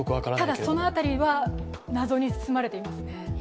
ただその辺りは謎に包まれていますね。